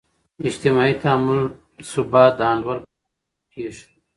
اجتماعي تعاملثبات د انډول په ساتلو کې کیږي.